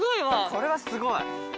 これはすごい！